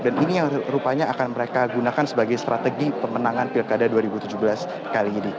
dan ini yang rupanya akan mereka gunakan sebagai strategi pemenangan pilkada dua ribu tujuh belas kali ini